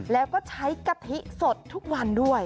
แล้วก็ใช้กะทิสดทุกวันด้วย